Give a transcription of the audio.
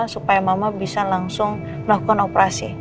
supaya mama bisa langsung melakukan operasi